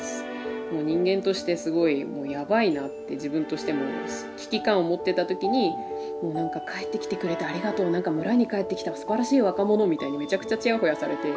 もう人間としてすごいやばいなって自分としても危機感を持ってた時にもうなんか「帰ってきてくれてありがとう」なんか「村に帰ってきたすばらしい若者」みたいにめちゃくちゃちやほやされて。